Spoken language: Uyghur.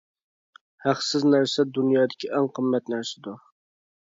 ھەقسىز نەرسە دۇنيادىكى ئەڭ قىممەت نەرسىدۇر.